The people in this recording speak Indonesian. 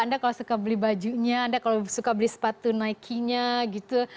anda kalau suka beli bajunya anda kalau suka beli sepatu nike nya gitu